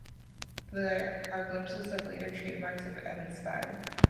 There are glimpses of the later trademarks of Evans' style...